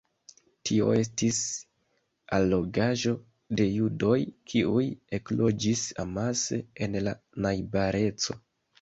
Tio estis allogaĵo de judoj, kiuj ekloĝis amase en la najbareco.